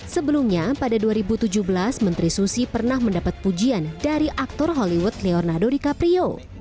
sebelumnya pada dua ribu tujuh belas menteri susi pernah mendapat pujian dari aktor hollywood leonardo dicaprio